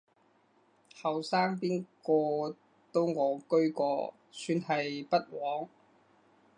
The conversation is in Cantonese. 後生邊個都戇居過，算係不枉